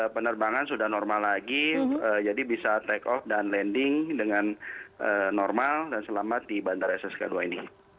penerbangan sudah normal lagi jadi bisa take off dan landing dengan normal dan selamat di bandara ssk dua ini